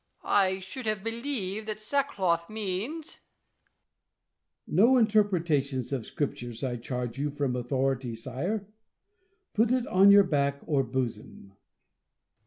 I should have believed that sackcloth means • La Chaise. No interpretations of Scripture, I charge you from authority, sire. Put it on your back or bosom.